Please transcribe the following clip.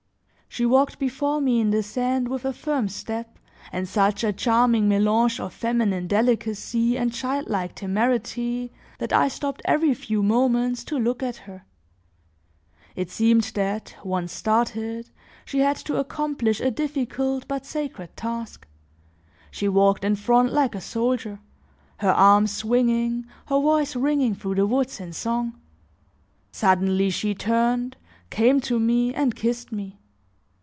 She walked before me in the sand with a firm step and such a charming melange of feminine delicacy and childlike temerity, that I stopped every few moments to look at her. It seemed that, once started, she had to accomplish a difficult but sacred task; she walked in front like a soldier, her arms swinging, her voice ringing through the woods in song; suddenly she turned, came to me, and kissed me.